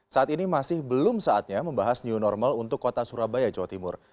saat ini masih belum saatnya membahas new normal untuk kota surabaya jawa timur